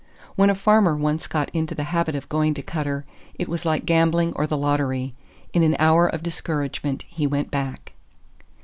When a farmer once got into the habit of going to Cutter, it was like gambling or the lottery; in an hour of discouragement he went back.